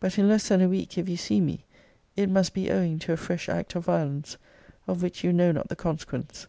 But in less than a week if you see me, it must be owing to a fresh act of violence, of which you know not the consequence.